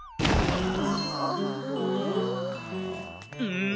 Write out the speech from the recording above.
うん？